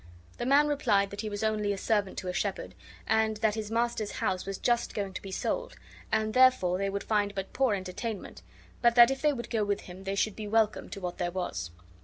The man replied that he was only a servant to a shepherd, and that his master's house was just going to be sold, and therefore they would find but poor entertainment; but that if they would go with him they should be welcome to what there was.